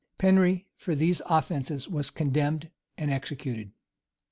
[] Penry for these offences was condemned and executed.